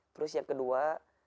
terus yang kedua